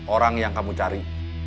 orang yang kamu cari